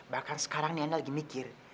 bahkan sekarang nih ane lagi mikir